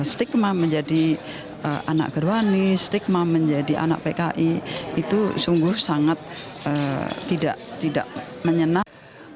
stigma menjadi anak gerwani stigma menjadi anak pki itu sungguh sangat tidak menyenang